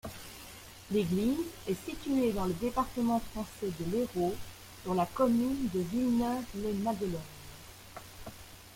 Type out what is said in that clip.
L'église est située dans le département français de l'Hérault, sur la commune de Villeneuve-lès-Maguelone.